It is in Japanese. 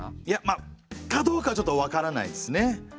いやまあかどうかちょっと分からないですね。